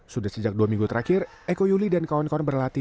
sudah sejak dua minggu terakhir eko yuli dan kawan kawan berlatih